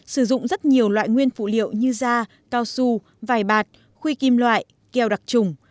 sử dụng rất nhiều loại nguyên phụ liệu như da cao su vải bạt khuy kim loại keo đặc trùng